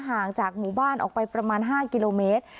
ห่างจากหมู่บ้านออกไปประมาณ๕กิโลเมตร